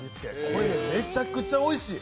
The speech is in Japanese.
これね、めちゃくちゃおいしい。